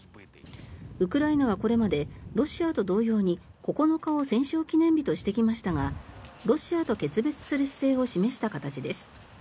ウクライナはこれまでロシアと同様に９日を戦勝記念日としてきましたがロシアと決別する姿勢を示した形です。